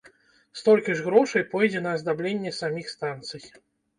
Столькі ж грошай пойдзе на аздабленне саміх станцый.